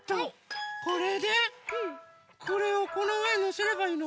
これでこれをこのうえにのせればいいの？